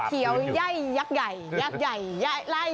ยักษ์ใหญ่ยักษ์ใหญ่